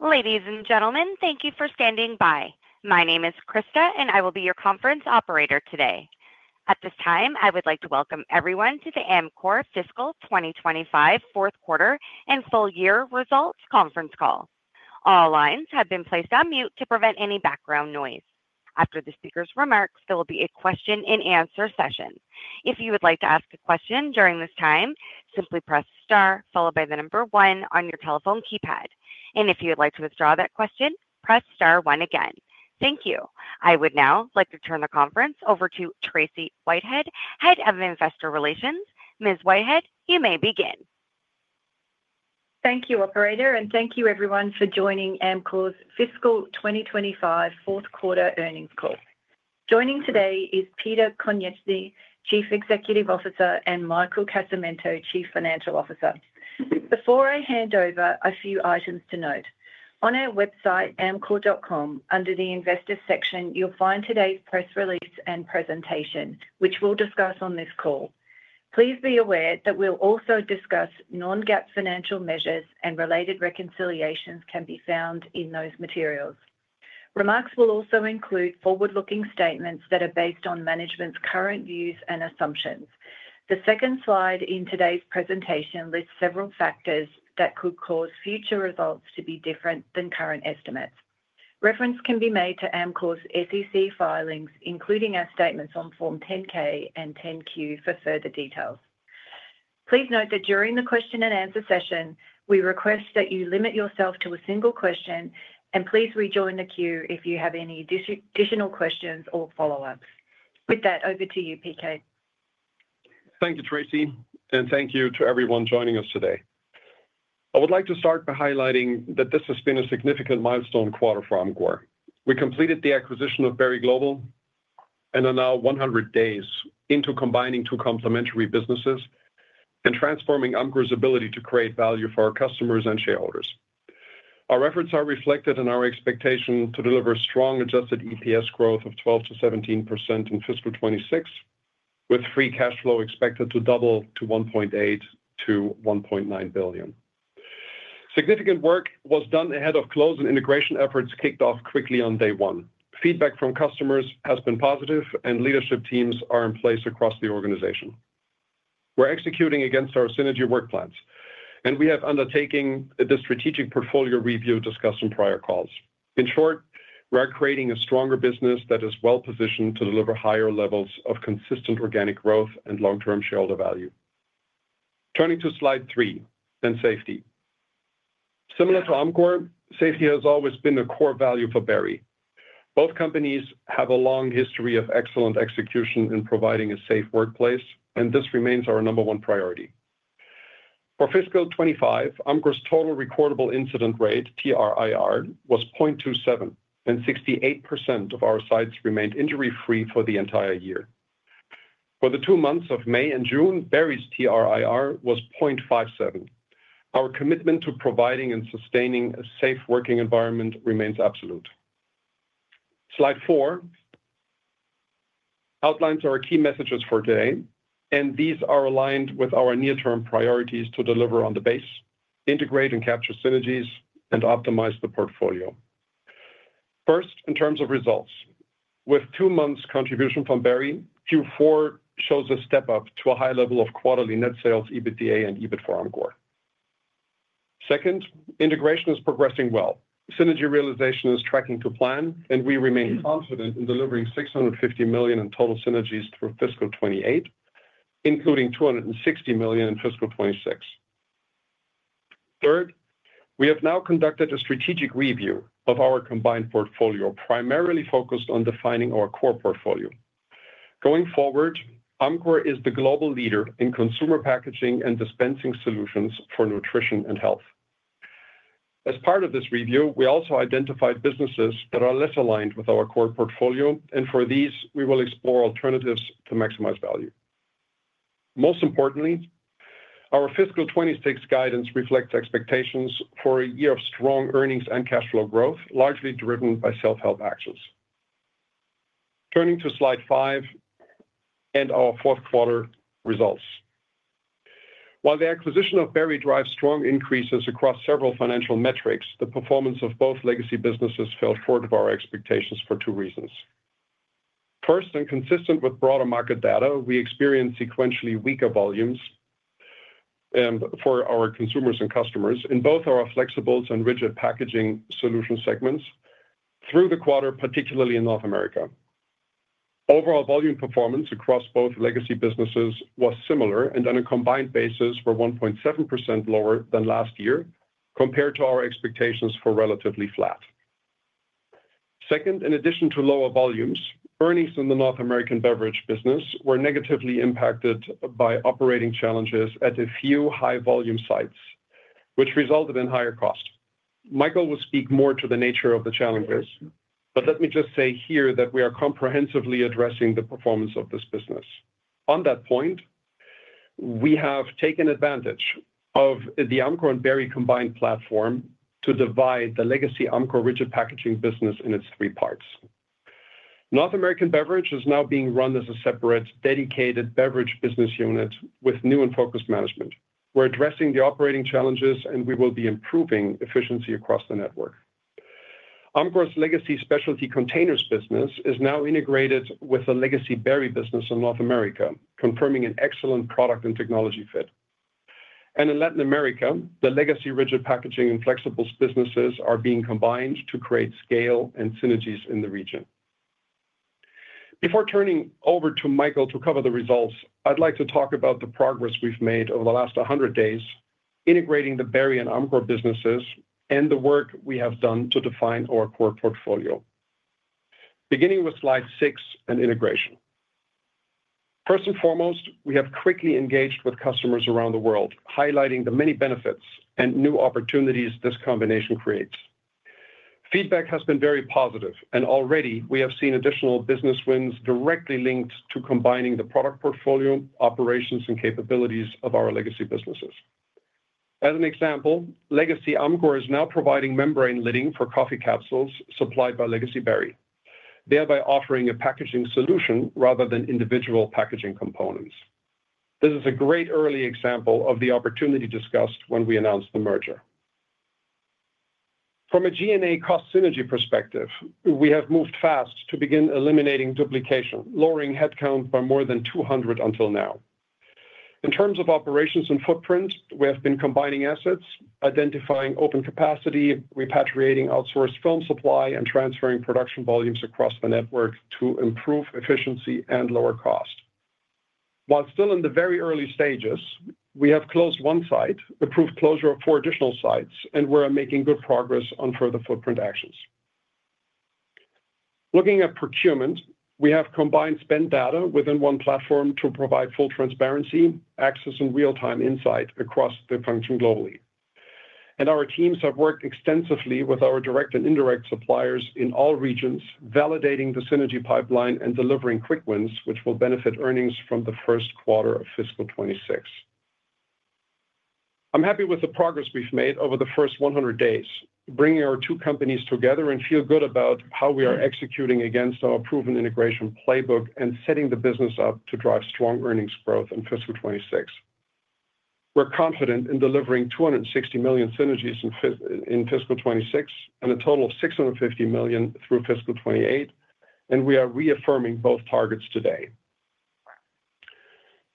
Ladies and gentlemen, thank you for standing by. My name is Krista, and I will be your conference operator today. At this time, I would like to welcome everyone to the Amcor fiscal 2025 fourth quarter and full year results conference call. All lines have been placed on mute to prevent any background noise. After the speaker's remarks, there will be a question and answer session. If you would like to ask a question during this time, simply press star followed by the number one on your telephone keypad. If you would like to withdraw that question, press star one again. Thank you. I would now like to turn the conference over to Tracey Whitehead, Head of Investor Relations. Ms. Whitehead, you may begin. Thank you, operator, and thank you everyone for joining Amcor's Fiscal 2025 Fourth Quarter Earnings Call. Joining today is Peter Konieczny, Chief Executive Officer, and Michael Casamento, Chief Financial Officer. Before I hand over, a few items to note. On our website, amcor.com, under the investors section, you'll find today's press release and presentation, which we'll discuss on this call. Please be aware that we'll also discuss non-GAAP financial measures and related reconciliations can be found in those materials. Remarks will also include forward-looking statements that are based on management's current views and assumptions. The second slide in today's presentation lists several factors that could cause future results to be different than current estimates. Reference can be made to Amcor's SEC filings, including our statements on Form 10-K and 10-Q for further details. Please note that during the question and answer session, we request that you limit yourself to a single question and please rejoin the queue if you have any additional questions or follow-ups. With that, over to you, PK. Thank you, Tracey, and thank you to everyone joining us today. I would like to start by highlighting that this has been a significant milestone quarter for Amcor. We completed the acquisition of Berry, and are now 100 days into combining two complementary businesses and transforming Amcor's ability to create value for our customers and shareholders. Our efforts are reflected in our expectation to deliver strong adjusted EPS growth of 12%-17% in fiscal 2026, with free cash flow expected to double to $1.8 billion-$1.9 billion. Significant work was done ahead of close, and integration efforts kicked off quickly on day one. Feedback from customers has been positive, and leadership teams are in place across the organization. We're executing against our synergy work plans, and we have undertaken the strategic portfolio review discussed in prior calls. In short, we are creating a stronger business that is well positioned to deliver higher levels of consistent organic growth and long-term shareholder value. Turning to slide three, then safety. Similar to Amcor, safety has always been a core value for Berry. Both companies have a long history of excellent execution in providing a safe workplace, and this remains our number one priority. For fiscal 2025, Amcor's total recordable incident rate, TRIR, was 0.27, and 68% of our sites remained injury-free for the entire year. For the two months of May and June, Berry's TRIR was 0.57. Our commitment to providing and sustaining a safe working environment remains absolute. Slide four outlines our key messages for today, and these are aligned with our near-term priorities to deliver on the base, integrate and capture synergies, and optimize the portfolio. First, in terms of results, with two months' contribution from Berry, Q4 shows a step up to a high level of quarterly net sales, EBITDA, and EBIT for Amcor. Second, integration is progressing well. Synergy realization is tracking to plan, and we remain confident in delivering $650 million in total synergies through fiscal 2028, including $260 million in fiscal 2026. Third, we have now conducted a strategic review of our combined portfolio, primarily focused on defining our core portfolio. Going forward, Amcor is the global leader in consumer packaging and dispensing solutions for nutrition and health. As part of this review, we also identified businesses that are less aligned with our core portfolio, and for these, we will explore alternatives to maximize value. Most importantly, our fiscal 2026 guidance reflects expectations for a year of strong earnings and cash flow growth, largely driven by self-help actions. Turning to slide five and our fourth quarter results. While the acquisition Berry drives strong increases across several financial metrics, the performance of both legacy businesses fell forward of our expectations for two reasons. First, and consistent with broader market data, we experience sequentially weaker volumes for our consumers and customers in both our flexible packaging and rigid packaging solution segments through the quarter, particularly in North America. Overall volume performance across both legacy businesses was similar, and on a combined basis, we're 1.7% lower than last year compared to our expectations for relatively flat. Second, in addition to lower volumes, earnings in the North American beverage business were negatively impacted by operating challenges at a few high-volume sites, which resulted in higher cost. Michael will speak more to the nature of the challenges, but let me just say here that we are comprehensively addressing the performance of this business. On that point, we have taken advantage of the Amcor and Berry combined platform to divide the legacy Amcor rigid packaging business in its three parts. North American Beverage is now being run as a separate dedicated beverage business unit with new and focused management. We're addressing the operating challenges, and we will be improving efficiency across the network. Amcor's legacy specialty containers business is now integrated with the Berry business in North America, confirming an excellent product and technology fit. In Latin America, the legacy rigid packaging and flexible packaging businesses are being combined to create scale and synergies in the region. Before turning over to Michael to cover the results, I'd like to talk about the progress we've made over the last 100 days integrating Berry and Amcor businesses and the work we have done to define our core portfolio. Beginning with slide six and integration. First and foremost, we have quickly engaged with customers around the world, highlighting the many benefits and new opportunities this combination creates. Feedback has been very positive, and already we have seen additional business wins directly linked to combining the product portfolio, operations, and capabilities of our legacy businesses. As an example, legacy Amcor is now providing membrane lidding for coffee capsules supplied by legacy Berry, thereby offering a packaging solution rather than individual packaging components. This is a great early example of the opportunity discussed when we announced the merger. From a G&A cost synergy perspective, we have moved fast to begin eliminating duplication, lowering headcount by more than 200 until now. In terms of operations and footprint, we have been combining assets, identifying open capacity, repatriating outsourced film supply, and transferring production volumes across the network to improve efficiency and lower cost. While still in the very early stages, we have closed one site, approved closure of four additional sites, and we're making good progress on further footprint actions. Looking at procurement, we have combined spend data within one platform to provide full transparency, access, and real-time insight across the function globally. Our teams have worked extensively with our direct and indirect suppliers in all regions, validating the synergy pipeline and delivering quick wins, which will benefit earnings from the first quarter of fiscal 2026. I'm happy with the progress we've made over the first 100 days, bringing our two companies together and feel good about how we are executing against our proven integration playbook and setting the business up to drive strong earnings growth in fiscal 2026. We're confident in delivering $260 million synergies in fiscal 2026 and a total of $650 million through fiscal 2028, and we are reaffirming both targets today.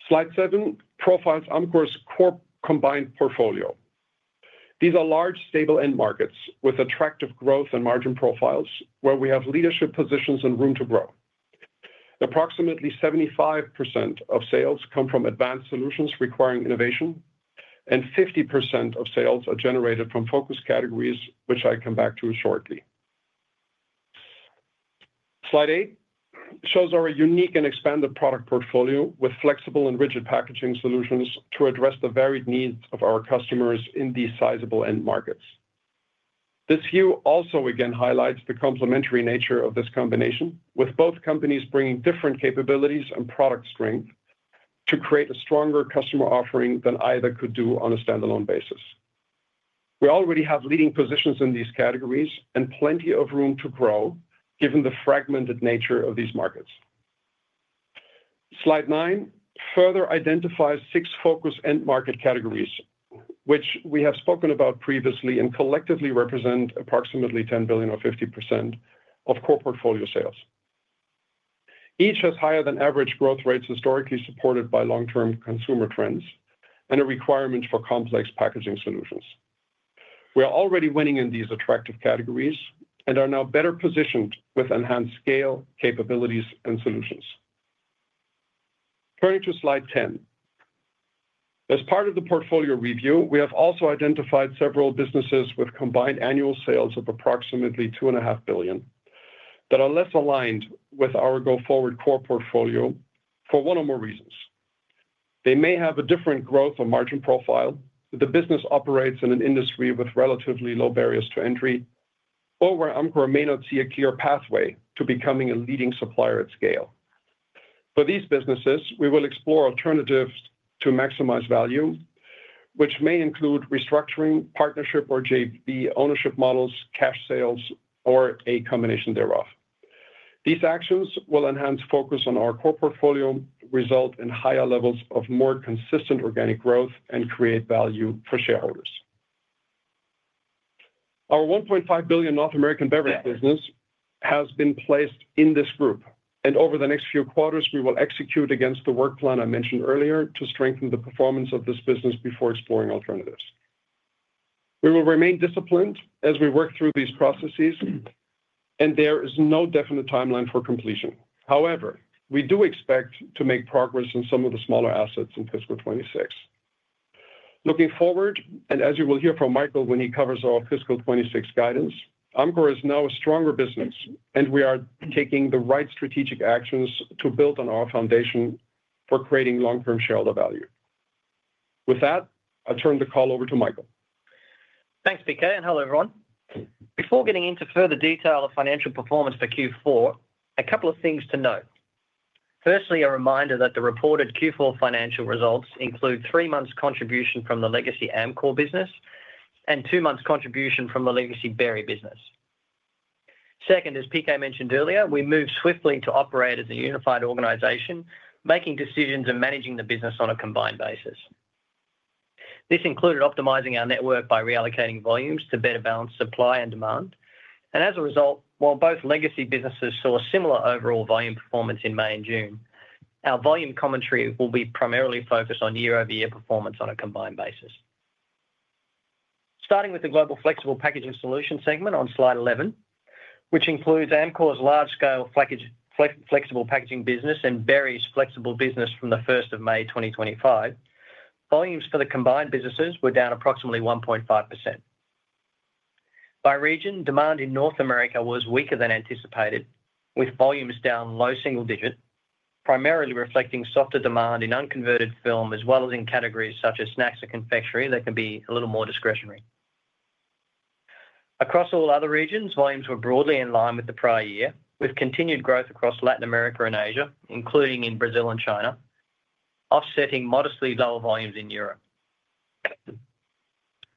Slide seven profiles Amcor's core combined portfolio. These are large, stable end markets with attractive growth and margin profiles where we have leadership positions and room to grow. Approximately 75% of sales come from advanced solutions requiring innovation, and 50% of sales are generated from focus categories, which I'll come back to shortly. Slide eight shows our unique and expanded product portfolio with flexible and rigid packaging solutions to address the varied needs of our customers in these sizable end markets. This view also again highlights the complementary nature of this combination, with both companies bringing different capabilities and product strength to create a stronger customer offering than either could do on a standalone basis. We already have leading positions in these categories and plenty of room to grow given the fragmented nature of these markets. Slide nine further identifies six focus end market categories, which we have spoken about previously and collectively represent approximately $10 billion or 50% of core portfolio sales. Each has higher than average growth rates historically supported by long-term consumer trends and a requirement for complex packaging solutions. We are already winning in these attractive categories and are now better positioned with enhanced scale, capabilities, and solutions. Turning to slide 10. As part of the portfolio review, we have also identified several businesses with combined annual sales of approximately $2.5 billion that are less aligned with our go-forward core portfolio for one or more reasons. They may have a different growth or margin profile, the business operates in an industry with relatively low barriers to entry, or where Amcor may not see a clear pathway to becoming a leading supplier at scale. For these businesses, we will explore alternatives to maximize value, which may include restructuring, partnership or JV ownership models, cash sales, or a combination thereof. These actions will enhance focus on our core portfolio, result in higher levels of more consistent organic growth, and create value for shareholders. Our $1.5 billion North American beverage business has been placed in this group, and over the next few quarters, we will execute against the work plan I mentioned earlier to strengthen the performance of this business before exploring alternatives. We will remain disciplined as we work through these processes, and there is no definite timeline for completion. However, we do expect to make progress in some of the smaller assets in fiscal 2026. Looking forward, and as you will hear from Michael when he covers our fiscal 2026 guidance, Amcor is now a stronger business, and we are taking the right strategic actions to build on our foundation for creating long-term shareholder value. With that, I'll turn the call over to Michael. Thanks, PK, and hello everyone. Before getting into further detail of financial performance for Q4, a couple of things to note. Firstly, a reminder that the reported Q4 financial results include three months' contribution from the legacy Amcor business and two months' contribution from the Berry business. Second, as PK mentioned earlier, we moved swiftly to operate as a unified organization, making decisions and managing the business on a combined basis. This included optimizing our network by reallocating volumes to better balance supply and demand. As a result, while both legacy businesses saw similar overall volume performance in May and June, our volume commentary will be primarily focused on year-over-year performance on a combined basis. Starting with the global flexible packaging solution segment on slide 11, which includes Amcor's large-scale flexible packaging business and Berry's flexible business from the 1st of May 2025, volumes for the combined businesses were down approximately 1.5%. By region, demand in North America was weaker than anticipated, with volumes down low single digit, primarily reflecting softer demand in unconverted film, as well as in categories such as snacks and confectionery that can be a little more discretionary. Across all other regions, volumes were broadly in line with the prior year, with continued growth across Latin America and Asia, including in Brazil and China, offsetting modestly lower volumes in Europe.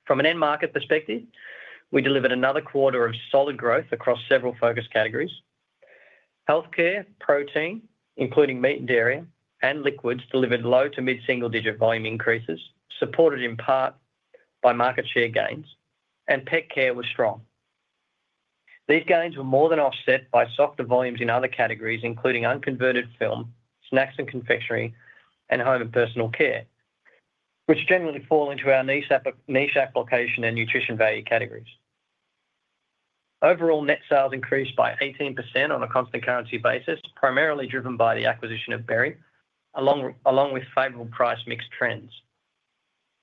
From an end market perspective, we delivered another quarter of solid growth across several focus categories. Healthcare, protein, including meat and dairy, and liquids delivered low to mid single-digit volume increases, supported in part by market share gains, and pet care was strong. These gains were more than offset by softer volumes in other categories, including unconverted film, snacks and confectionery, and home and personal care, which generally fall into our niche application and nutrition value categories. Overall, net sales increased by 18% on a constant currency basis, primarily driven by the acquisition of Berry, along with favorable price mix trends.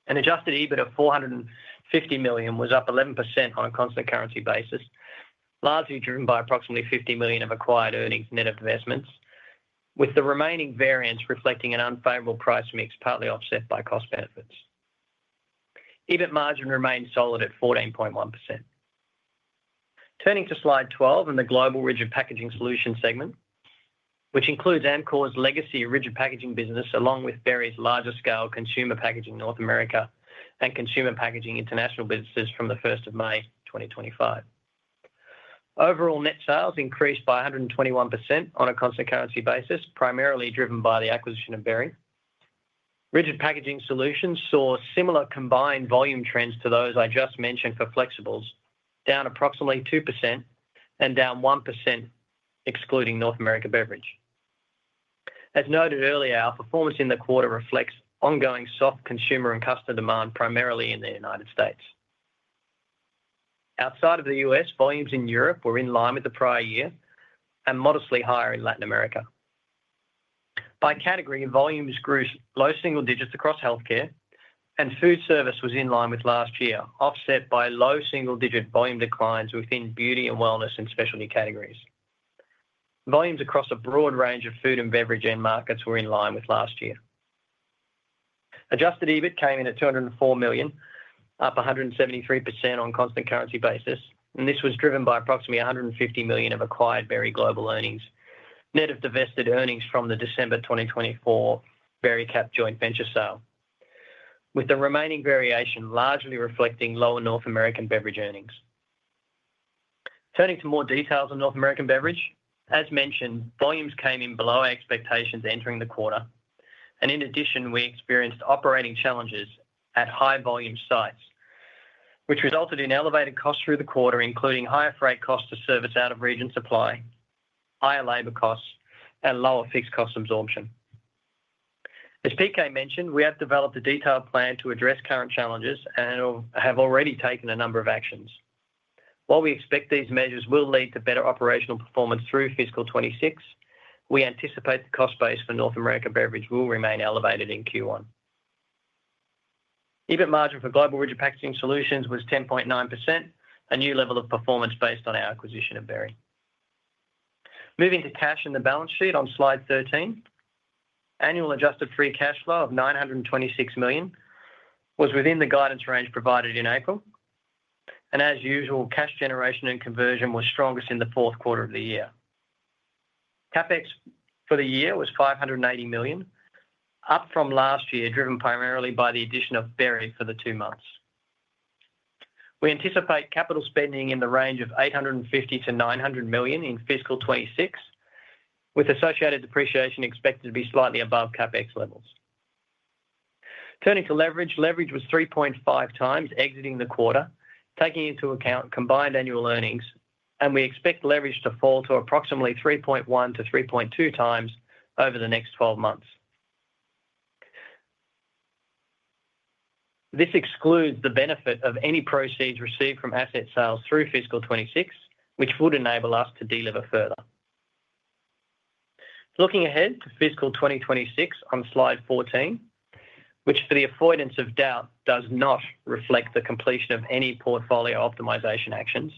An adjusted EBIT of $450 million was up 11% on a constant currency basis, largely driven by approximately $50 million of acquired earnings net investments, with the remaining variance reflecting an unfavorable price mix, partly offset by cost benefits. EBIT margin remained solid at 14.1%. Turning to slide 12 and the global rigid packaging solution segment, which includes Amcor's legacy rigid packaging business, along with Berry's larger-scale consumer packaging North America and consumer packaging international businesses from the 1st of May 2025. Overall, net sales increased by 121% on a constant currency basis, primarily driven by the acquisition of Berry. Rigid packaging solutions saw similar combined volume trends to those I just mentioned for flexibles, down approximately 2% and down 1%, excluding North American Beverage. As noted earlier, our performance in the quarter reflects ongoing soft consumer and customer demand, primarily in the United States. Outside of the U.S., volumes in Europe were in line with the prior year and modestly higher in Latin America. By category, volumes grew low single digits across healthcare, and food service was in line with last year, offset by low single-digit volume declines within beauty and wellness and specialty categories. Volumes across a broad range of food and beverage end markets were in line with last year. Adjusted EBIT came in at $204 million, up 173% on a constant currency basis, and this was driven by approximately $150 million of acquired Berry Global earnings, net of divested earnings from the December 2024 Berry Cap joint venture sale, with the remaining variation largely reflecting lower North American beverage earnings. Turning to more details on North American beverage, as mentioned, volumes came in below expectations entering the quarter, and in addition, we experienced operating challenges at high volume sites, which resulted in elevated costs through the quarter, including higher freight costs to service out-of-region supply, higher labor costs, and lower fixed cost absorption. As PK mentioned, we have developed a detailed plan to address current challenges and have already taken a number of actions. While we expect these measures will lead to better operational performance through fiscal 2026, we anticipate the cost base for North American Beverage will remain elevated in Q1. EBIT margin for global rigid packaging solutions was 10.9%, a new level of performance based on our acquisition of Berry. Moving to cash in the balance sheet on slide 13, annual adjusted free cash flow of $926 million was within the guidance range provided in April, and as usual, cash generation and conversion were strongest in the fourth quarter of the year. CapEx for the year was $580 million, up from last year, driven primarily by the addition Berry for the two months. We anticipate capital spending in the range of $850 million-$900 million in fiscal 2026, with associated depreciation expected to be slightly above CapEx levels. Turning to leverage, leverage was 3.5x exiting the quarter, taking into account combined annual earnings, and we expect leverage to fall to approximately 3.1x-3.2x over the next 12 months. This excludes the benefit of any proceeds received from asset sales through fiscal 2026, which would enable us to deleverage further. Looking ahead to fiscal 2026 on slide 14, which for the avoidance of doubt does not reflect the completion of any portfolio optimization actions,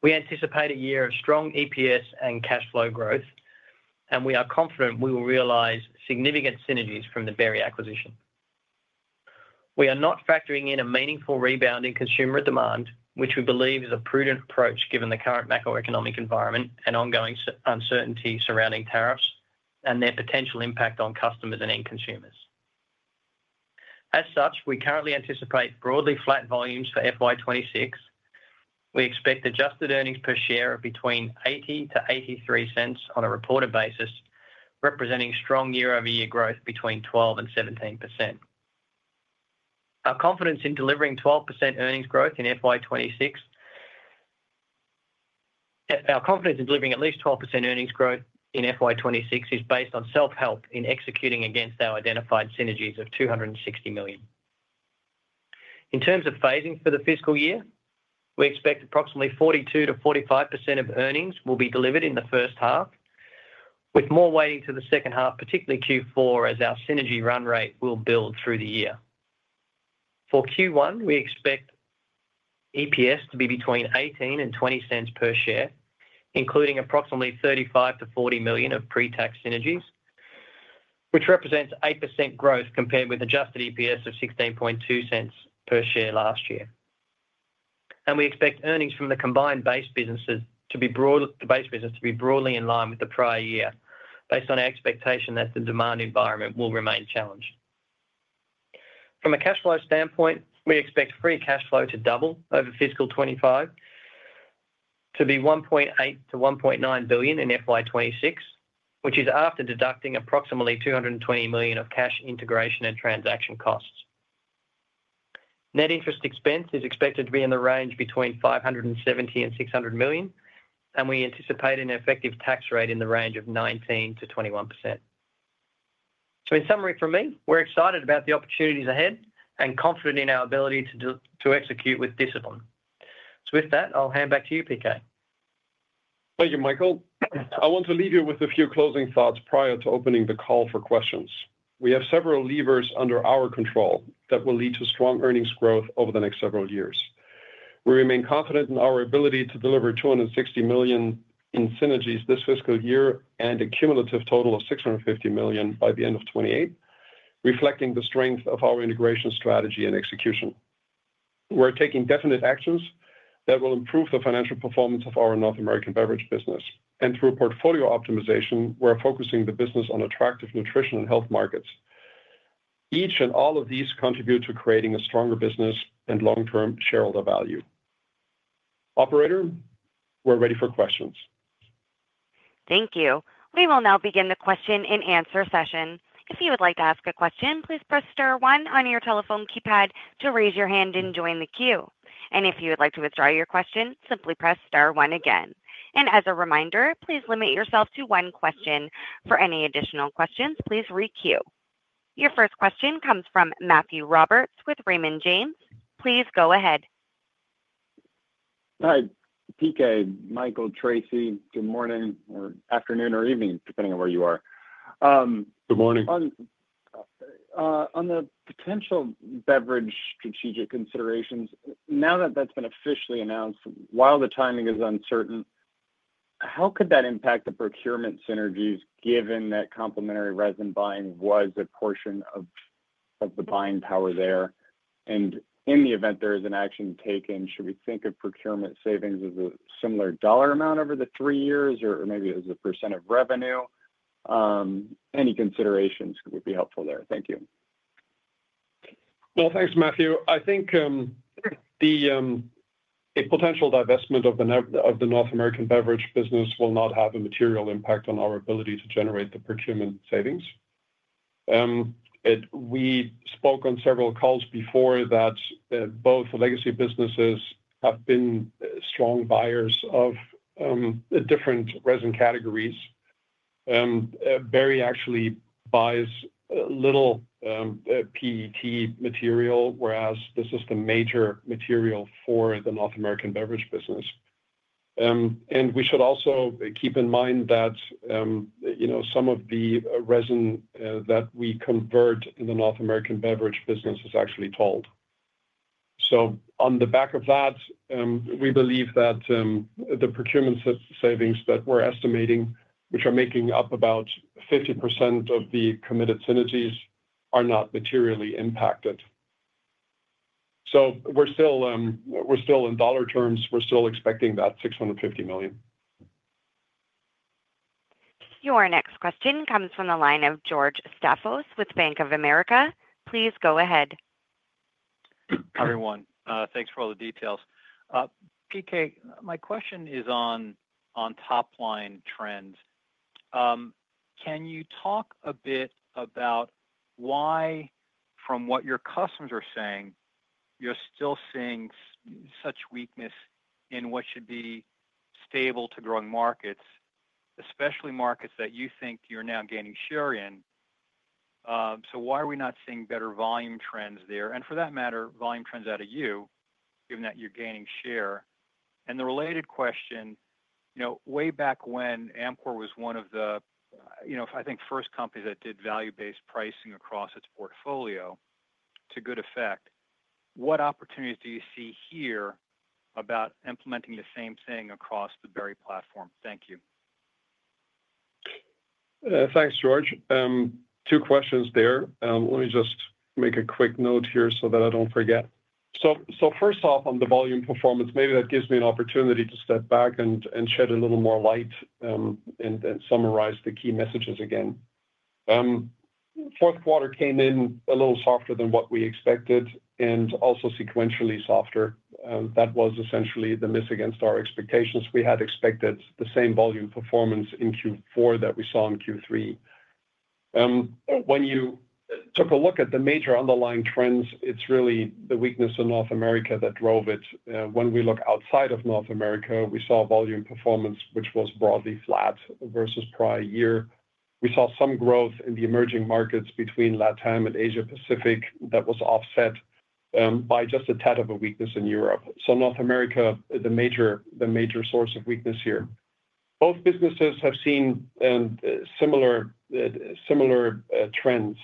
we anticipate a year of strong EPS and cash flow growth, and we are confident we will realize significant synergies from Berry acquisition. We are not factoring in a meaningful rebound in consumer demand, which we believe is a prudent approach given the current macroeconomic environment and ongoing uncertainty surrounding tariffs and their potential impact on customers and end consumers. As such, we currently anticipate broadly flat volumes for FY 2026. We expect adjusted EPS of between $0.80-$0.83 on a reported basis, representing strong year-over-year growth between 12% and 17%. Our confidence in delivering at least 12% earnings growth in FY 2026 is based on self-help in executing against our identified synergies of $260 million. In terms of phasing for the fiscal year, we expect approximately 42%-45% of earnings will be delivered in the first half, with more weighting for the second half, particularly Q4, as our synergy run rate will build through the year. For Q1, we expect EPS to be between $0.18 and $0.20 per share, including approximately $35 million-$40 million of pre-tax synergies, which represents 8% growth compared with adjusted EPS of $0.162 per share last year. We expect earnings from the combined base businesses to be broadly in line with the prior year, based on our expectation that the demand environment will remain challenged. From a cash flow standpoint, we expect free cash flow to double over fiscal 2025 to be $1.8 billion-$1.9 billion in FY 2026, which is after deducting approximately $220 million of cash integration and transaction costs. Net interest expense is expected to be in the range between $570 million and $600 million, and we anticipate an effective tax rate in the range of 19%-21%. In summary, for me, we're excited about the opportunities ahead and confident in our ability to execute with discipline. With that, I'll hand back to you, PK. Thank you, Michael. I want to leave you with a few closing thoughts prior to opening the call for questions. We have several levers under our control that will lead to strong earnings growth over the next several years. We remain confident in our ability to deliver $260 million in synergies this fiscal year and a cumulative total of $650 million by the end of 2028, reflecting the strength of our integration strategy and execution. We're taking definite actions that will improve the financial performance of our North American beverage business, and through portfolio optimization, we're focusing the business on attractive nutrition and health markets. Each and all of these contribute to creating a stronger business and long-term shareholder value. Operator, we're ready for questions. Thank you. We will now begin the question and answer session. If you would like to ask a question, please press star one on your telephone keypad to raise your hand and join the queue. If you would like to withdraw your question, simply press star one again. As a reminder, please limit yourself to one question. For any additional questions, please re-queue. Your first question comes from Matthew Roberts with Raymond James. Please go ahead. Hi, PK, Michael, Tracey, good morning or afternoon or evening, depending on where you are. Good morning. On the potential beverage strategic considerations, now that that's been officially announced, while the timing is uncertain, how could that impact the procurement synergies given that complementary resin buying was a portion of the buying power there? In the event there is an action taken, should we think of procurement savings as a similar dollar amount over the three years or maybe as a percent of revenue? Any considerations would be helpful there. Thank you. Thank you, Matthew. I think a potential divestment of the North American beverage business will not have a material impact on our ability to generate the procurement savings. We spoke on several calls before that both legacy businesses have been strong buyers of different resin categories. Berry actually buys little PET material, whereas this is the major material for the North American beverage business. We should also keep in mind that some of the resin that we convert in the North American beverage business is actually tolled. On the back of that, we believe that the procurement savings that we're estimating, which are making up about 50% of the committed synergies, are not materially impacted. In dollar terms, we're still expecting that $650 million. Your next question comes from the line of George Staphos with Bank of America. Please go ahead. Hi, everyone. Thanks for all the details. PK, my question is on top line trends. Can you talk a bit about why, from what your customers are saying, you're still seeing such weakness in what should be stable to growing markets, especially markets that you think you're now gaining share in? Why are we not seeing better volume trends there? For that matter, volume trends out of you, given that you're gaining share. The related question, way back when Amcor was one of the, I think, first companies that did value-based pricing across its portfolio to good effect. What opportunities do you see here about implementing the same thing across the Berry platform? Thank you. Thanks, George. Two questions there. Let me just make a quick note here so that I don't forget. First off, on the volume performance, maybe that gives me an opportunity to step back and shed a little more light and summarize the key messages again. Fourth quarter came in a little softer than what we expected and also sequentially softer. That was essentially the miss against our expectations. We had expected the same volume performance in Q4 that we saw in Q3. When you took a look at the major underlying trends, it's really the weakness in North America that drove it. When we look outside of North America, we saw volume performance, which was broadly flat versus prior year. We saw some growth in the emerging markets between LATAM and Asia Pacific that was offset by just a tad of a weakness in Europe. North America, the major source of weakness here. Both businesses have seen similar trends.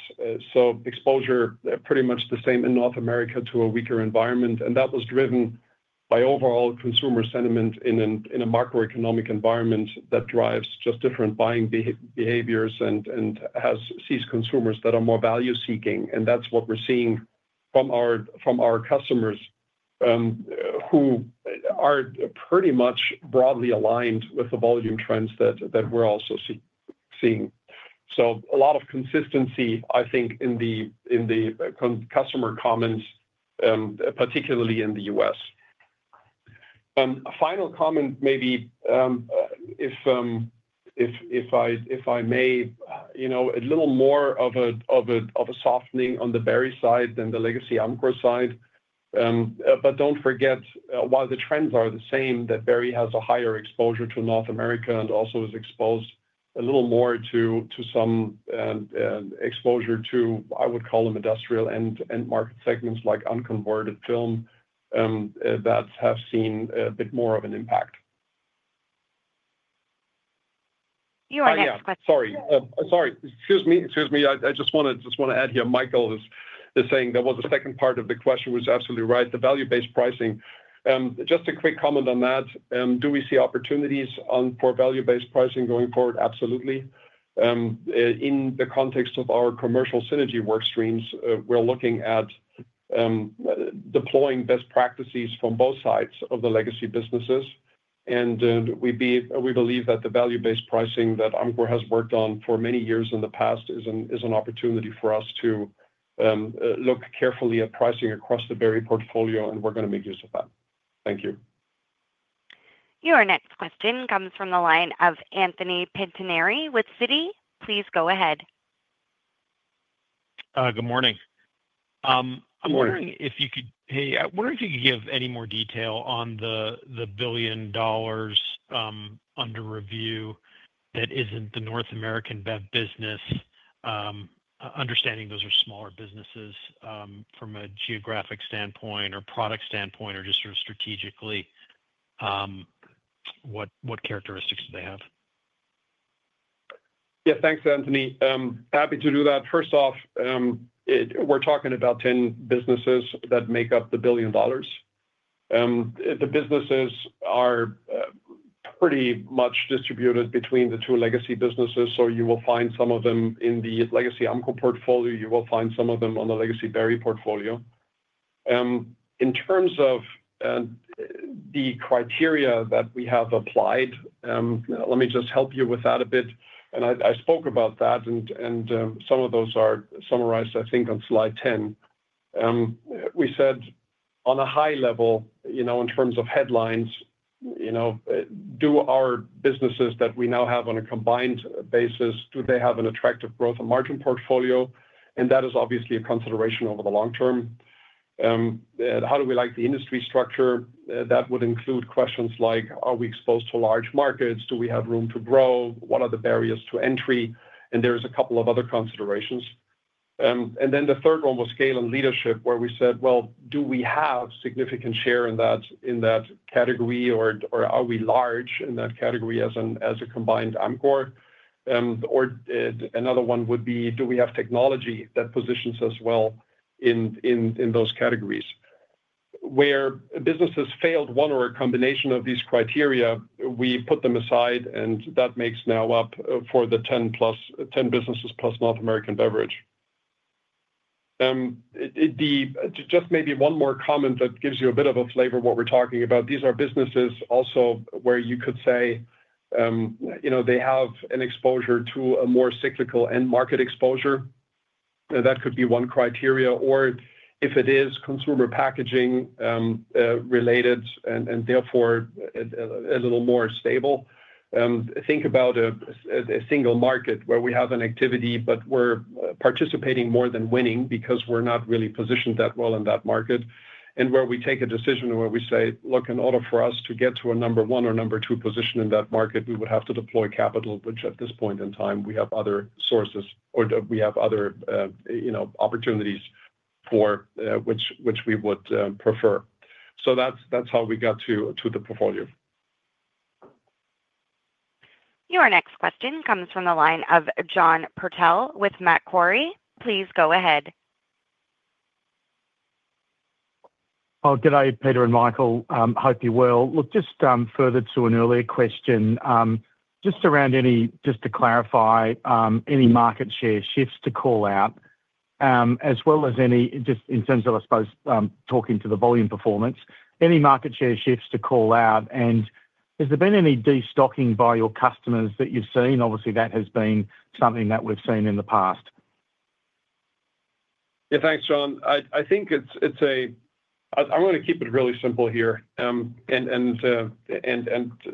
Exposure pretty much the same in North America to a weaker environment, and that was driven by overall consumer sentiment in a macroeconomic environment that drives just different buying behaviors and sees consumers that are more value-seeking. That's what we're seeing from our customers who are pretty much broadly aligned with the volume trends that we're also seeing. A lot of consistency, I think, in the customer comments, particularly in the U.S. Final comment, maybe if I may, a little more of a softening on the Berry side than the legacy Amcor side. Don't forget, while the trends are the same, that Berry has a higher exposure to North America and also is exposed a little more to some exposure to, I would call them, industrial end market segments like unconverted film that have seen a bit more of an impact. Your next question. Excuse me. I just want to add here, Michael is saying that was the second part of the question, which is absolutely right, the value-based pricing. Just a quick comment on that. Do we see opportunities for value-based pricing going forward? Absolutely. In the context of our commercial synergy work streams, we're looking at deploying best practices from both sides of the legacy businesses. We believe that the value-based pricing that Amcor has worked on for many years in the past is an opportunity for us to look carefully at pricing across the Berry portfolio, and we're going to make use of that. Thank you. Your next question comes from the line of Anthony Pettinari with Citi. Please go ahead. Good morning. I'm wondering if you could give any more detail on the billion dollars under review that isn't the North American Bev business, understanding those are smaller businesses from a geographic standpoint or product standpoint or just sort of strategically, what characteristics do they have? Yeah, thanks, Anthony. Happy to do that. First off, we're talking about 10 businesses that make up the $1 billion. The businesses are pretty much distributed between the two legacy businesses. You will find some of them in the legacy Amcor portfolio. You will find some of them in the Berry portfolio. In terms of the criteria that we have applied, let me just help you with that a bit. I spoke about that, and some of those are summarized, I think, on slide 10. We said, on a high level, in terms of headlines, do our businesses that we now have on a combined basis have an attractive growth and margin portfolio? That is obviously a consideration over the long-term. How do we like the industry structure? That would include questions like, are we exposed to large markets? Do we have room to grow? What are the barriers to entry? There are a couple of other considerations. The third one was scale and leadership, where we said, do we have significant share in that category, or are we large in that category as a combined Amcor? Another one would be, do we have technology that positions us well in those categories? Where businesses failed one or a combination of these criteria, we put them aside, and that makes up the 10 businesses plus North American Beverage. Just maybe one more comment that gives you a bit of a flavor of what we're talking about. These are businesses also where you could say they have an exposure to a more cyclical end market exposure. That could be one criteria, or if it is consumer packaging related and therefore a little more stable. Think about a single market where we have an activity, but we're participating more than winning because we're not really positioned that well in that market. Where we take a decision and where we say, look, in order for us to get to a number one or number two position in that market, we would have to deploy capital, which at this point in time we have other sources or that we have other opportunities for which we would prefer. That's how we got to the portfolio. Your next question comes from the line of John Purtell with Macquarie. Please go ahead. Oh, good day, Peter and Michael. Hope you're well. Just further to an earlier question, just around any, just to clarify, any market share shifts to call out, as well as any, just in terms of, I suppose, talking to the volume performance, any market share shifts to call out? Has there been any destocking by your customers that you've seen? Obviously, that has been something that we've seen in the past. Yeah, thanks, John. I think it's a, I'm going to keep it really simple here and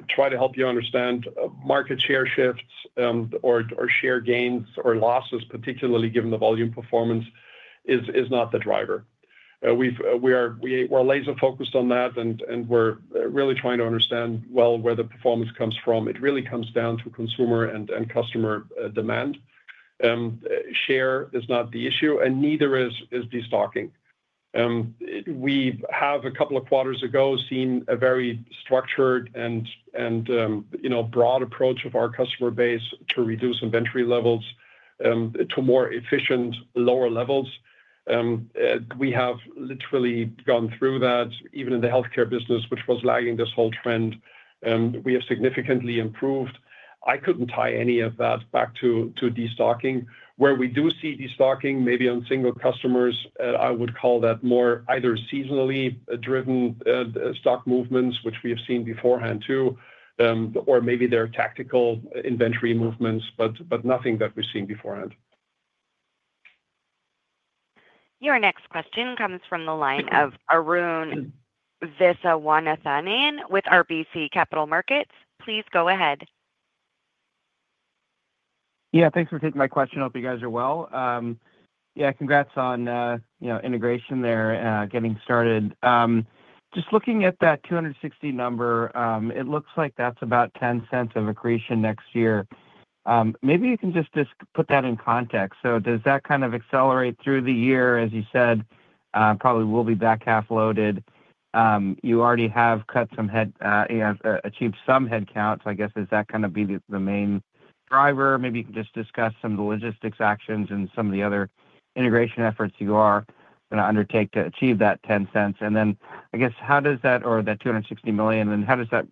try to help you understand market share shifts or share gains or losses, particularly given the volume performance, is not the driver. We're laser-focused on that, and we're really trying to understand where the performance comes from. It really comes down to consumer and customer demand. Share is not the issue, and neither is destocking. We have, a couple of quarters ago, seen a very structured and broad approach of our customer base to reduce inventory levels to more efficient, lower levels. We have literally gone through that, even in the health care business, which was lagging this whole trend. We have significantly improved. I couldn't tie any of that back to destocking. Where we do see destocking, maybe on single customers, I would call that more either seasonally driven stock movements, which we have seen beforehand too, or maybe they're tactical inventory movements, but nothing that we've seen beforehand. Your next question comes from the line of Arun Viswanathan with RBC Capital Markets. Please go ahead. Yeah, thanks for taking my question. Hope you guys are well. Yeah, congrats on, you know, integration there, getting started. Just looking at that $260 million number, it looks like that's about $0.10 of accretion next year. Maybe you can just put that in context. Does that kind of accelerate through the year? As you said, probably we'll be back half loaded. You already have cut some head, you know, achieved some head count. I guess, does that kind of be the main driver? Maybe you can just discuss some of the logistics actions and some of the other integration efforts you are going to undertake to achieve that $0.10. I guess, how does that, or that $260 million, and how does that,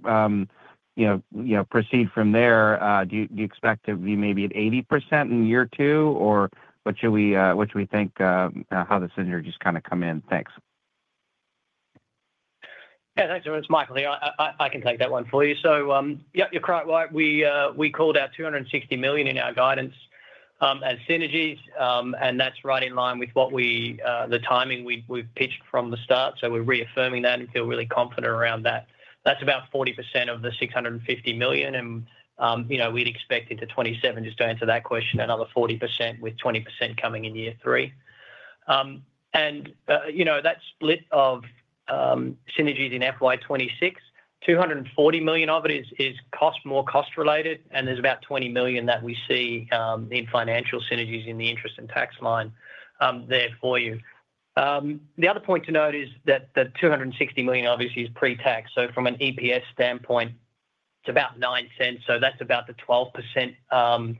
you know, proceed from there? Do you expect to be maybe at 80% in year two, or what should we think, how the synergies kind of come in? Thanks. Yeah, thanks, everyone. It's Michael. I can take that one for you. You're quite right. We called out $260 million in our guidance as synergies, and that's right in line with the timing we pitched from the start. We're reaffirming that and feel really confident around that. That's about 40% of the $650 million, and we'd expect in 2027, just to answer that question, another 40% with 20% coming in year three. That split of synergies in FY 2026, $240 million of it is more cost-related, and there's about $20 million that we see in financial synergies in the interest and tax line there for you. The other point to note is that $260 million obviously is pre-tax. From an EPS standpoint, it's about $0.09. That's about the 12%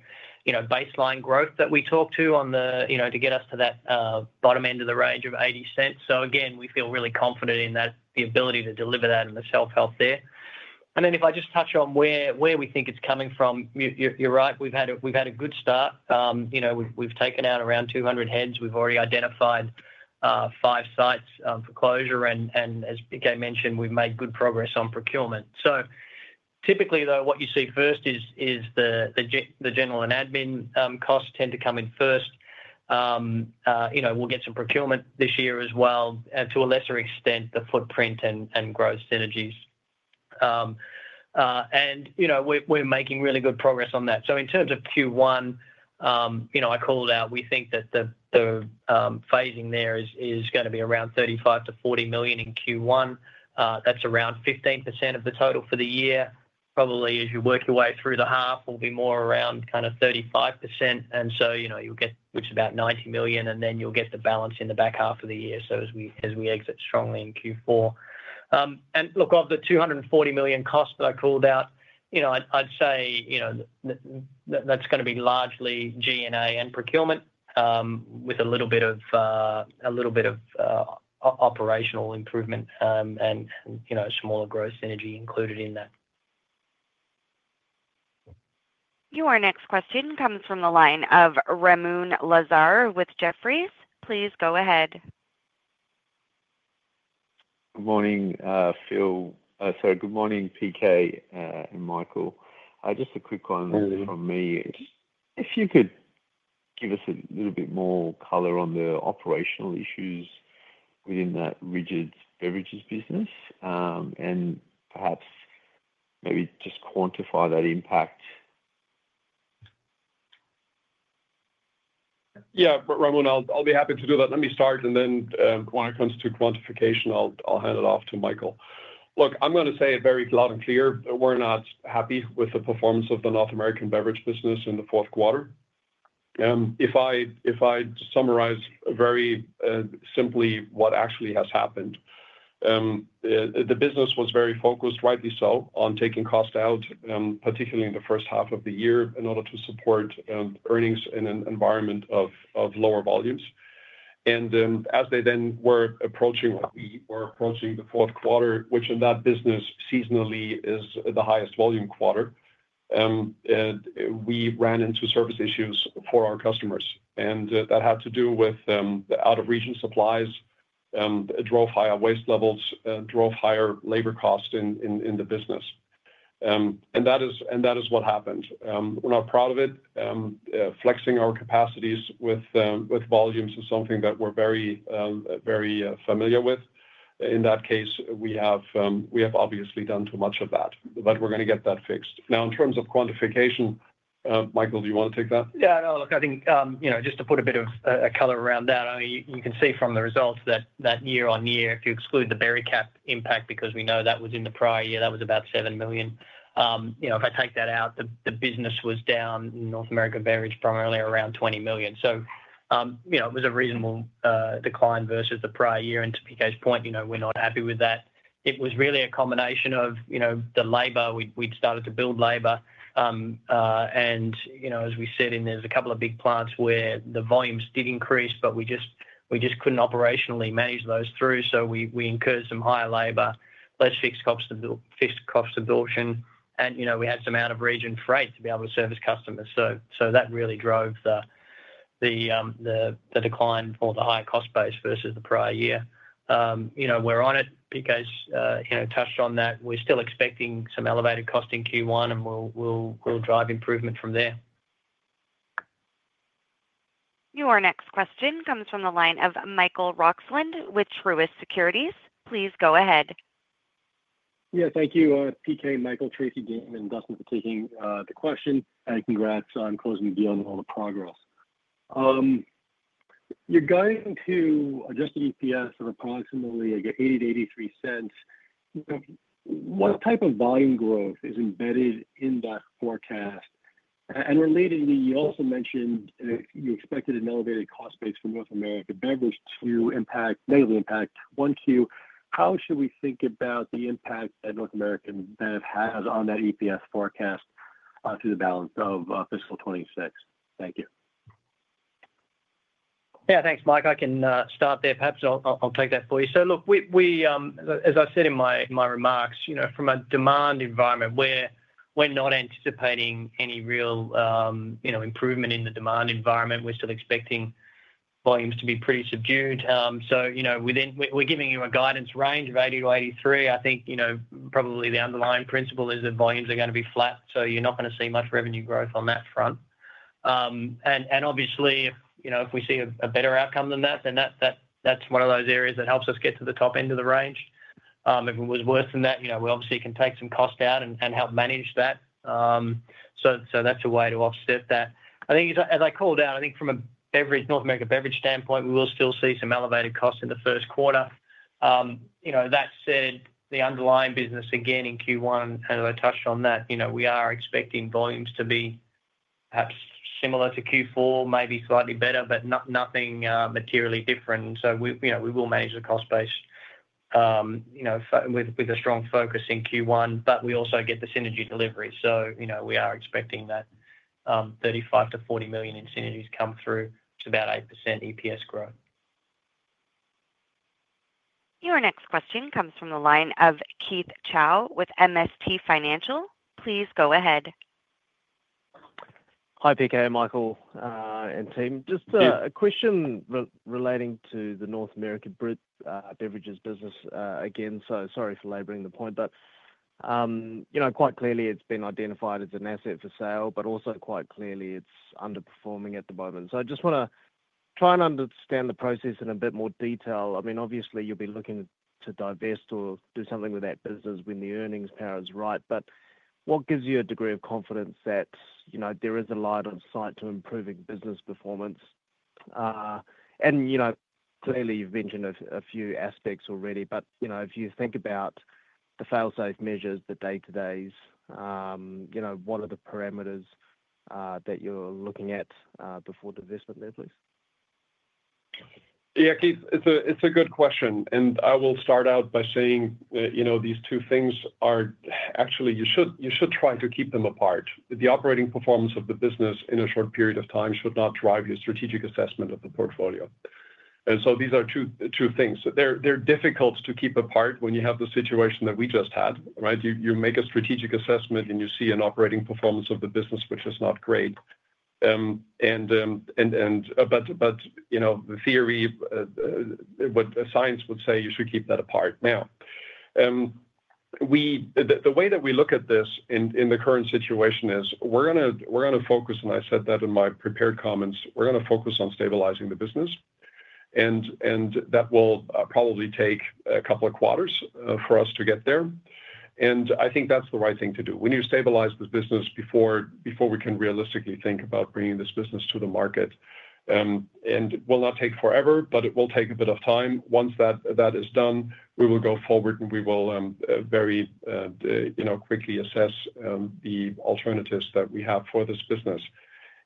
baseline growth that we talked to, to get us to that bottom end of the range of $0.80. We feel really confident in that, the ability to deliver that, and the self-help there. If I just touch on where we think it's coming from, you're right. We've had a good start. We've taken out around 200 heads. We've already identified five sites for closure, and as PK mentioned, we've made good progress on procurement. Typically, what you see first is the general and admin costs tend to come in first. We'll get some procurement this year as well, and to a lesser extent, the asset footprint and growth synergies. We're making really good progress on that. In terms of Q1, I called out, we think that the phasing there is going to be around $35 million-$40 million in Q1. That's around 15% of the total for the year. Probably, as you work your way through the half, we'll be more around kind of 35%. That's about $90 million, and then you'll get the balance in the back half of the year as we exit strongly in Q4. Of the $240 million costs that I called out, I'd say that's going to be largely G&A and procurement with a little bit of operational improvement and a smaller growth synergy included in that. Your next question comes from the line of Ramoun Lazar with Jefferies. Please go ahead. Good morning, PK, and Michael. Just a quick one from me. If you could give us a little bit more color on the operational issues within that rigid beverages business and perhaps maybe just quantify that impact. Yeah, Ramoun, I'll be happy to do that. Let me start, and then when it comes to quantification, I'll hand it off to Michael. Look, I'm going to say it very loud and clear. We're not happy with the performance of the North American beverage business in the fourth quarter. If I summarize very simply what actually has happened, the business was very focused, rightly so, on taking cost out, particularly in the first half of the year in order to support earnings in an environment of lower volumes. As they then were approaching, we were approaching the fourth quarter, which in that business seasonally is the highest volume quarter, we ran into service issues for our customers. That had to do with the out-of-region supplies. It drove higher waste levels and drove higher labor costs in the business. That is what happened. We're not proud of it. Flexing our capacities with volumes is something that we're very familiar with. In that case, we have obviously done too much of that, but we're going to get that fixed. Now, in terms of quantification, Michael, do you want to take that? Yeah, no, look, I think, just to put a bit of color around that, you can see from the results that year-on-year, if you exclude the Berry Cap impact, because we know that was in the prior year, that was about $7 million. If I take that out, the business was down in North American beverage primarily around $20 million. It was a reasonable decline versus the prior year. To PK's point, we're not happy with that. It was really a combination of the labor. We've started to build labor, and as we said, there's a couple of big plants where the volumes did increase, but we just couldn't operationally manage those through. We incurred some higher labor, less fixed cost absorption, and we had some out-of-region freight to be able to service customers. That really drove the decline for the higher cost base versus the prior year. We're on it. PK's touched on that. We're still expecting some elevated cost in Q1, and we'll drive improvement from there. Your next question comes from the line of Michael Roxland with Truist Securities. Please go ahead. Thank you, PK, Michael, Tracey, Dan, and Dustin for taking the question. Congrats on closing the deal and all the progress. You're going to adjusted EPS of approximately $0.80-$0.83. What type of volume growth is embedded in that forecast? You also mentioned you expected an elevated cost base for North American Beverage to negatively impact Q1. How should we think about the impact that North American has on that EPS forecast through the balance of fiscal 2026? Thank you. Yeah, thanks, Mike. I can start there. Perhaps I'll take that for you. As I said in my remarks, from a demand environment where we're not anticipating any real improvement in the demand environment, we're still expecting volumes to be pretty subdued. We're giving you a guidance range of $80 million-$83 million. I think probably the underlying principle is that volumes are going to be flat. You're not going to see much revenue growth on that front. Obviously, if we see a better outcome than that, then that's one of those areas that helps us get to the top end of the range. If it was worse than that, we obviously can take some cost out and help manage that. That's a way to offset that. As I called out, I think from a North American Beverage standpoint, we will still see some elevated costs in the first quarter. That said, the underlying business again in Q1, as I touched on that, we are expecting volumes to be perhaps similar to Q4, maybe slightly better, but nothing materially different. We will manage the cost base with a strong focus in Q1, but we also get the synergy delivery. We are expecting that $35 million-$40 million in synergies come through to about 8% EPS growth. Your next question comes from the line of Keith Chau with MST Financial. Please go ahead. Hi, PK, Michael, and team. Just a question relating to the North American Beverages business again. Sorry for belaboring the point, but quite clearly it's been identified as an asset for sale, but also quite clearly it's underperforming at the moment. I just want to try and understand the process in a bit more detail. Obviously, you'll be looking to divest or do something with that business when the earnings power is right, but what gives you a degree of confidence that there is a line of sight to improving business performance? Clearly, you've mentioned a few aspects already, but if you think about the fail-safe measures, the day-to-days, what are the parameters that you're looking at before divestment there, please? Yeah, Keith, it's a good question. I will start out by saying, you know, these two things are actually, you should try to keep them apart. The operating performance of the business in a short period of time should not drive your strategic assessment of the portfolio. These are two things. They're difficult to keep apart when you have the situation that we just had, right? You make a strategic assessment and you see an operating performance of the business, which is not great. The theory, what science would say, you should keep that apart. Now, the way that we look at this in the current situation is we're going to focus, and I said that in my prepared comments, we're going to focus on stabilizing the business. That will probably take a couple of quarters for us to get there. I think that's the right thing to do. You stabilize this business before we can realistically think about bringing this business to the market. It will not take forever, but it will take a bit of time. Once that is done, we will go forward and we will very, you know, quickly assess the alternatives that we have for this business.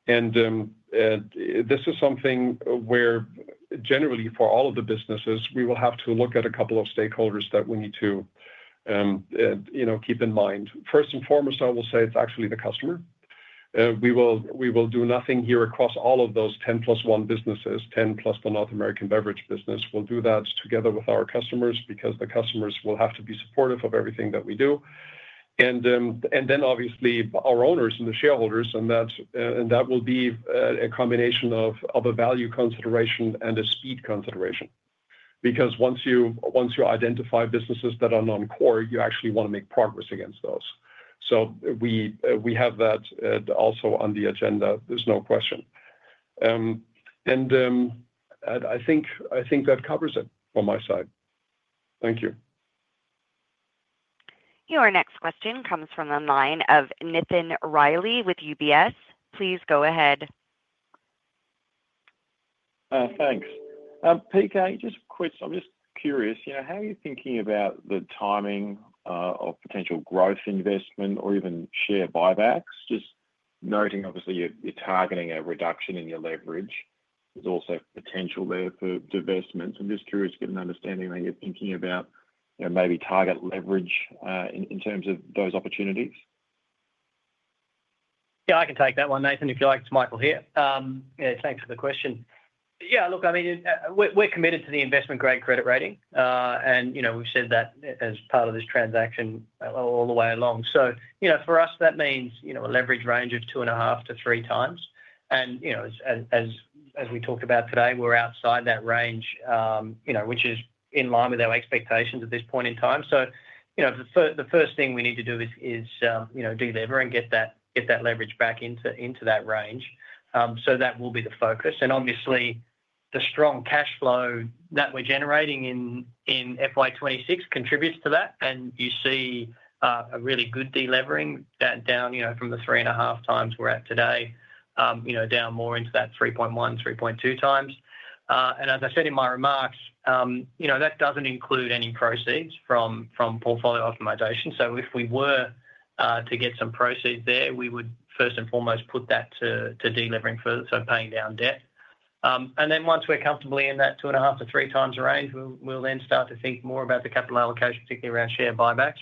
This is something where generally for all of the businesses, we will have to look at a couple of stakeholders that we need to, you know, keep in mind. First and foremost, I will say it's actually the customer. We will do nothing here across all of those 10 plus one businesses, 10 plus the North American Beverage business. We'll do that together with our customers because the customers will have to be supportive of everything that we do. Then obviously, our owners and the shareholders, and that will be a combination of a value consideration and a speed consideration. Once you identify businesses that are non-core, you actually want to make progress against those. We have that also on the agenda. There's no question. I think that covers it on my side. Thank you. Your next question comes from the line of Nathan Reilly with UBS. Please go ahead. Thanks. PK, just quick, I'm just curious, you know, how are you thinking about the timing of potential growth investment or even share buybacks? Just noting, obviously, you're targeting a reduction in your leverage. There's also potential there for divestment. I'm just curious to get an understanding that you're thinking about, you know, maybe target leverage in terms of those opportunities. Yeah, I can take that one, Nathan, if you like, Michael here. Thanks for the question. We're committed to the investment-grade credit rating. We've said that as part of this transaction all the way along. For us, that means a leverage range of 2.5x-3x. As we talk about today, we're outside that range, which is in line with our expectations at this point in time. The first thing we need to do is deliver and get that leverage back into that range. That will be the focus. Obviously, the strong cash flow that we're generating in FY 2026 contributes to that. You see a really good delivering that down from the 3.5x we're at today, down more into that 3.1x, 3.2x. As I said in my remarks, that doesn't include any proceeds from portfolio optimization. If we were to get some proceeds there, we would first and foremost put that to delivering for paying down debt. Once we're comfortably in that 2.5x-3x range, we'll then start to think more about the capital allocation, particularly around share buybacks.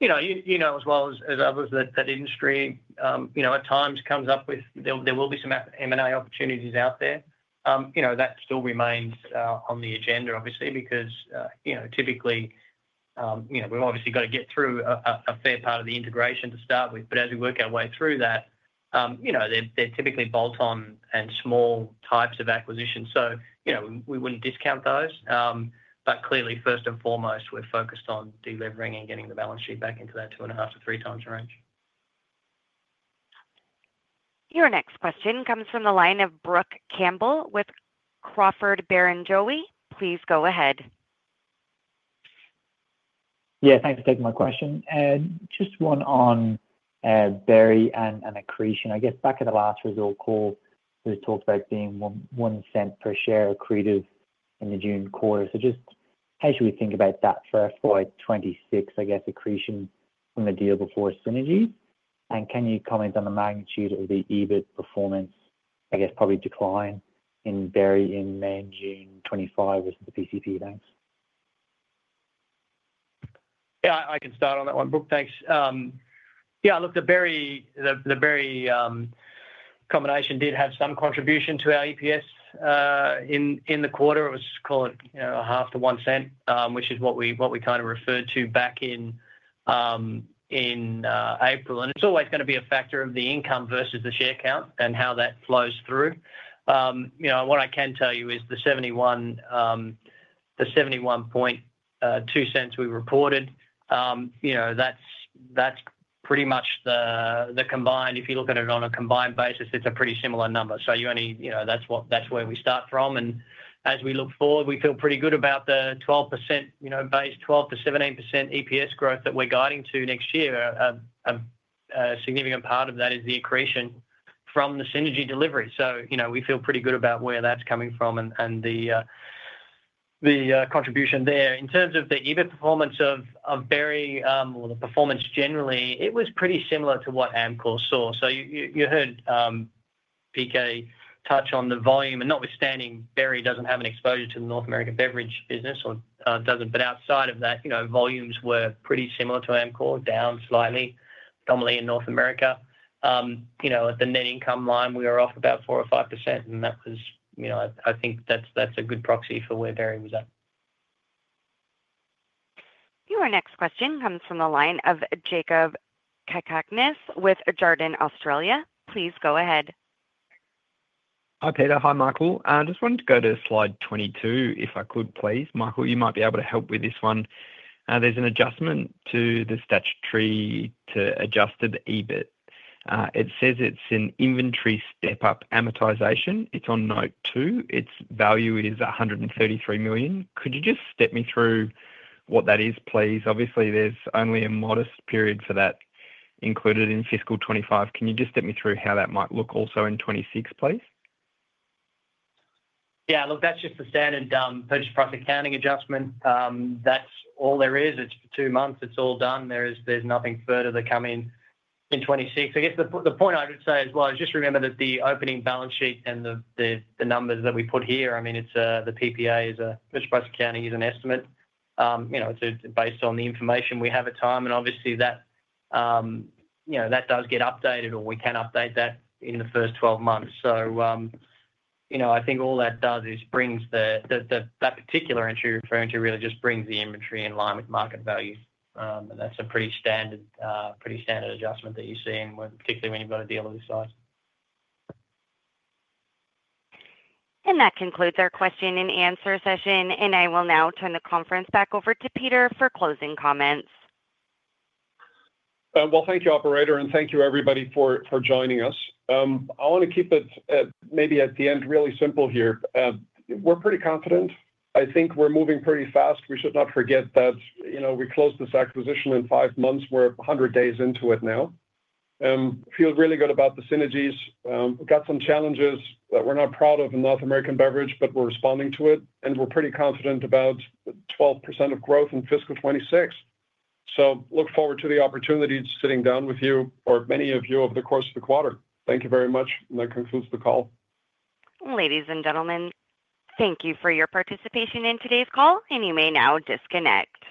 You know as well as others that industry at times comes up with, there will be some M&A opportunities out there. That still remains on the agenda, obviously, because typically, we've obviously got to get through a fair part of the integration to start with. As we work our way through that, they're typically bolt-on and small types of acquisitions. We wouldn't discount those. Clearly, first and foremost, we're focused on delivering and getting the balance sheet back into that 2.5x-3x range. Your next question comes from the line of Brook Campbell-Crawford with Barrenjoey. Please go ahead. Yeah, thanks for taking my question. Just one on Berry and accretion. I guess back at the last results call, there was talk about being $0.01 per share accretive in the June quarter. How should we think about that for FY 2026, accretion from the deal before synergies? Can you comment on the magnitude of the EBIT performance, probably decline in Berry in May and June 2025 versus the PCP banks? Yeah, I can start on that one. Brooke, thanks. Yeah, look, the Berry combination did have some contribution to our EPS in the quarter. It was called, you know, $0.005-$0.01, which is what we kind of referred to back in April. It's always going to be a factor of the income versus the share count and how that flows through. What I can tell you is the $0.712 we reported, that's pretty much the combined, if you look at it on a combined basis, it's a pretty similar number. You only, you know, that's where we start from. As we look forward, we feel pretty good about the 12%-17% EPS growth that we're guiding to next year. A significant part of that is the accretion from the synergy delivery. We feel pretty good about where that's coming from and the contribution there. In terms of the EBIT performance of Berry or the performance generally, it was pretty similar to what Amcor saw. You heard PK touch on the volume, and notwithstanding, Berry doesn't have an exposure to the North American Beverage business or doesn't. Outside of that, volumes were pretty similar to Amcor, down slightly, dominantly in North America. At the net income line, we were off about 4% or 5%, and that was, I think that's a good proxy for where Berry was at. Your next question comes from the line of Jakob Cakarnis with Jarden Australia. Please go ahead. Hi, Peter. Hi, Michael. I just wanted to go to slide 22 if I could, please. Michael, you might be able to help with this one. There's an adjustment to the statutory to adjusted EBIT. It says it's an inventory step-up amortization. It's on note two. Its value is $133 million. Could you just step me through what that is, please? Obviously, there's only a modest period for that included in fiscal 2025. Can you just step me through how that might look also in 2026, please? Yeah, look, that's just the standard purchase price accounting adjustment. That's all there is. It's for two months. It's all done. There's nothing further to come in in 2026. I guess the point I would say as well is just remember that the opening balance sheet and the numbers that we put here, I mean, the PPA as a purchase price accounting is an estimate. It's based on the information we have at the time, and obviously that does get updated or we can update that in the first 12 months. I think all that does is bring that particular entry you're referring to really just brings the inventory in line with market value. That's a pretty standard, pretty standard adjustment that you see, particularly when you've got a deal of this size. That concludes our question and answer session. I will now turn the conference back over to Peter for closing comments. Thank you, operator, and thank you, everybody, for joining us. I want to keep it at the end really simple here. We're pretty confident. I think we're moving pretty fast. We should not forget that we closed this acquisition in five months. We're 100 days into it now. I feel really good about the synergies. We've got some challenges that we're not proud of in North American Beverage, but we're responding to it. We're pretty confident about 12% of growth in fiscal 2026. I look forward to the opportunities sitting down with you or many of you over the course of the quarter. Thank you very much. That concludes the call. Ladies and gentlemen, thank you for your participation in today's call, and you may now disconnect.